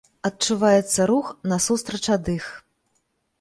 Адчуваецца рух насустрач ад іх.